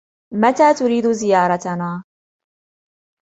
متى تريد زيارتنا؟